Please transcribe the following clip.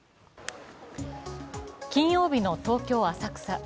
金曜日の東京・浅草。